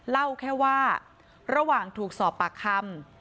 เล่าแค่ว่าระหว่างถูกสอบปากคำ